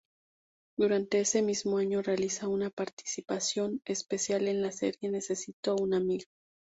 Durante ese mismo año, realiza una participación especial en la serie Necesito una Amiga.